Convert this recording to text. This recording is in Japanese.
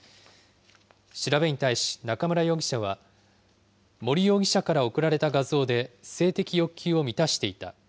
調べに対し、中村容疑者は、森容疑者から送られた画像で性的欲求を満たしていた。